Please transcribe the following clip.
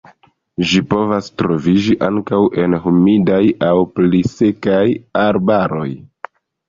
Ĝi povas troviĝi ankaŭ en humidaj aŭ pli sekaj arbaroj.